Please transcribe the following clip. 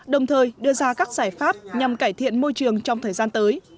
đồng thời đưa ra các giải pháp nhằm cải thiện môi trường trong thời gian tới